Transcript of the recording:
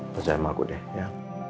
percaya sama aku deh ya